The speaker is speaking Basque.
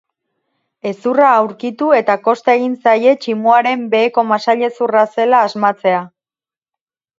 Hezurra aurkitu eta kosta egin zaie tximuaren beheko masailezurra zela asmatzea.